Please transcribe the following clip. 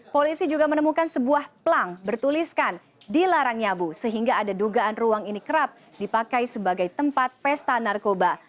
polisi juga menemukan sebuah pelang bertuliskan dilarang nyabu sehingga ada dugaan ruang ini kerap dipakai sebagai tempat pesta narkoba